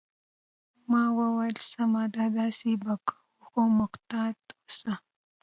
ما وویل: سمه ده، داسې به کوو، خو محتاط اوسه.